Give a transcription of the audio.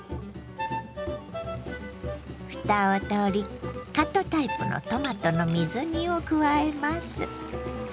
ふたを取りカットタイプのトマトの水煮を加えます。